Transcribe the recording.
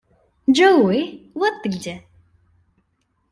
Джоуи, вот ты где.